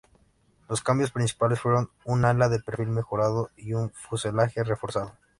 Los cambios principales fueron un ala de perfil mejorado y un fuselaje reforzado.